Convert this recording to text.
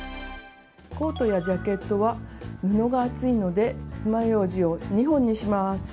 コートやジャケットは布が厚いのでつまようじを２本にします。